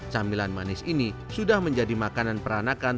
camilan manis ini sudah menjadi makanan peranakan